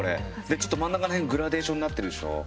ちょっと真ん中らへんグラデーションになってるでしょ。